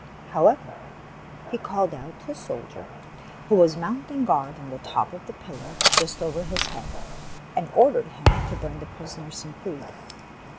However, he called out to a soldier, THE PALACE ON THE FLOOR 137 who was mounting guard on the top of a pillar just over his head, and ordered him to bring the prisoner some food.